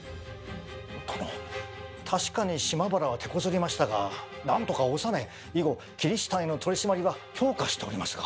殿確かに島原は手こずりましたが何とか収め以後キリシタンへの取締りは強化しておりますが。